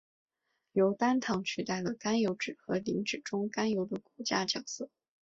由单糖取代了甘油酯和磷脂中甘油的骨架角色。